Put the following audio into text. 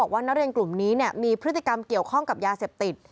ว่านักเรียนกลุ่มนี้มีพฤติกรรมเกี่ยวข้องกับยาเสพติด